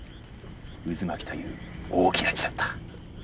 「うずまき」という大きな字だった。